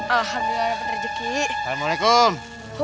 alhamdulillah dapet rezeki